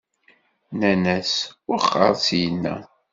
Nnan-as: Wexxeṛ syenna!